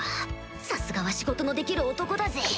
さすがは仕事のできる男だぜ